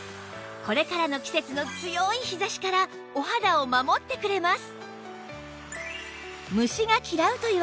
これからの季節の強い日差しからお肌を守ってくれます